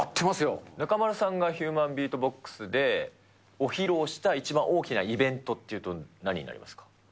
中丸さんがヒューマンビートボックスで披露したイベントっていうと、何になりますか？